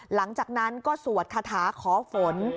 หลังจากนั้นก็สวดคาถาขอฝน